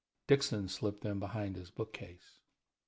Dixon slipped them behind his book case.